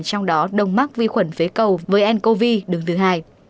trong đó đông mắc vi khuẩn phế cầu với ncov đứng thứ hai